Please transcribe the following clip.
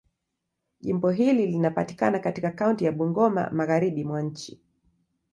Jimbo hili linapatikana katika kaunti ya Bungoma, Magharibi mwa nchi.